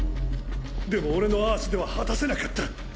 でも俺のアースでは果たせなかった。